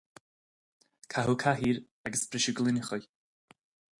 Caitheadh cathaoir agus briseadh gloineachaí.